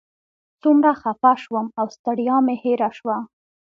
څومره خفه شوم او ستړیا مې هېره شوه.